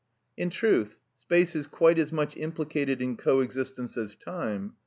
In truth, space is quite as much implicated in co existence as time.